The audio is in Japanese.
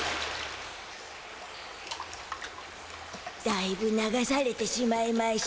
だいぶ流されてしまいましゅた。